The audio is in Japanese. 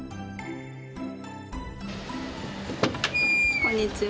こんにちは。